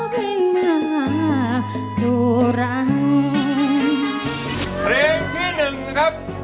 เพลงที่หนึ่งนะครับ